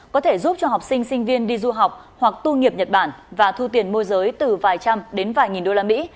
có thể giúp cho học sinh sinh viên đi du học hoặc tu nghiệp nhật bản và thu tiền môi giới từ vài trăm đến vài nghìn đô la mỹ